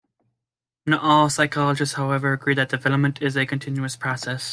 Not all psychologists, however, agree that development is a continuous process.